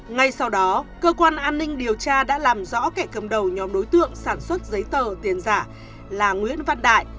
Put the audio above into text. ngay sau đó cơ quan an ninh điều tra đã làm rõ kẻ cầm đầu nhóm đối tượng sản xuất giấy tờ tiền giả là nguyễn văn đại